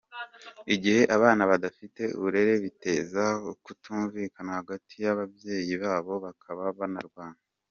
Igihe abana badafite uburere biteza ukutumvikana hagati y’ababyeyi babo bakaba banarwana.